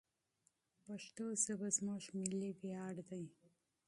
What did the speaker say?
پښتو ژبه زموږ ملي ویاړ دی.